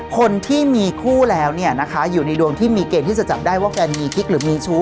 คนที่มีคู่แล้วเนี่ยนะคะอยู่ในดวงที่มีเกณฑ์ที่จะจับได้ว่าแกมีกิ๊กหรือมีชู้